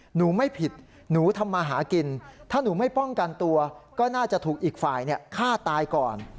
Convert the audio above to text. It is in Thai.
หนูไม่ผิดหนูทำมาหากินถ้าหนูไม่ป้องกันตัวก็น่าจะถูกอีกฝ่ายฆ่าตายก่อน